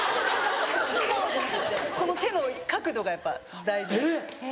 この手の角度がやっぱ大事なんで。